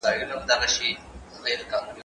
زه به سفر کړی وي،